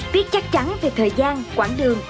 biết chắc chắn về thời gian quảng đường